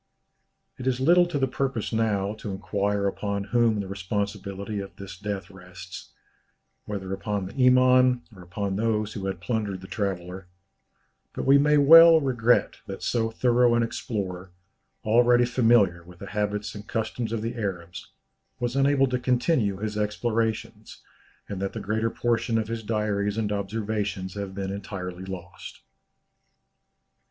It is little to the purpose now to inquire upon whom the responsibility of this death rests whether upon the Iman or upon those who had plundered the traveller but we may well regret that so thorough an explorer, already familiar with the habits and customs of the Arabs, was unable to continue his explorations, and that the greater portion of his diaries and observations have been entirely lost.